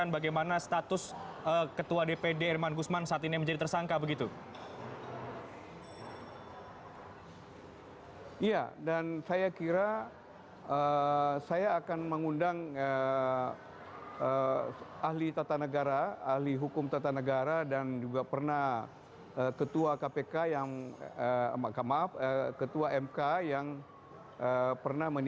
baik selamat malam